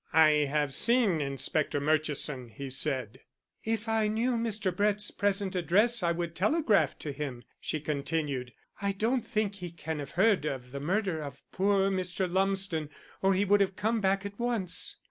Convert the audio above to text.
"I have seen Inspector Murchison," he said. "If I knew Mr. Brett's present address I would telegraph to him," she continued. "I don't think he can have heard of the murder of poor Mr. Lumsden, or he would have come back at once."